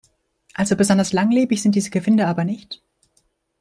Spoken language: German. Also besonders langlebig sind diese Gewinde aber nicht.